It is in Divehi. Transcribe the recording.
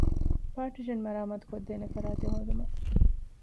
ޕާޓިޝަން މަރާމާތުކޮށްދޭނެ ފަރާތެއް ހޯދުމަށް